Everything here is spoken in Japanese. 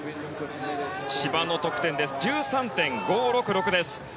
千葉の得点は１３．５６６です。